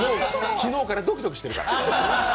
昨日からドキドキしてるから。